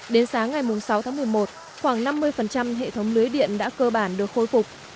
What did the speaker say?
đến sáng ngày sáu tháng một mươi một khoảng năm mươi hệ thống lưới điện đã cơ bản được khôi phục